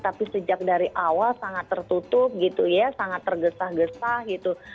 tapi sejak dari awal sangat tertutup gitu ya sangat tergesah gesah gitu